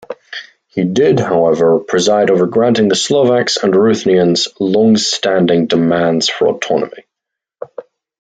He did, however, preside over granting the Slovaks and Ruthenians' longstanding demands for autonomy.